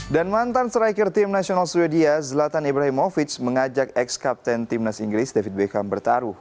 dan mantan striker tim nasional sweden zlatan ibrahimovic mengajak ex kapten timnas inggris david beckham bertaruh